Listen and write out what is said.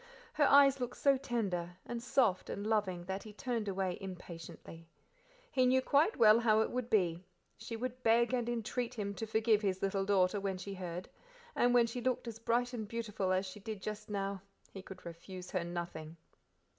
Her eyes looked so tender; and soft, and loving that he turned away impatiently; he knew quite well how it would be; she would beg and entreat him to forgive his little daughter when she heard, and when she looked as bright and beautiful as she did just now he could refuse her nothing.